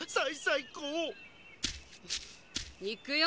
いくよ。